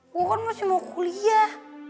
gue kan masih mau kuliah